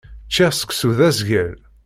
Ččiɣ seksu d asgal.